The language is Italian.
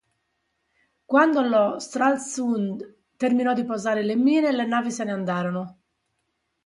Quando lo "Stralsund" terminò di posare le mine, le navi se ne andarono.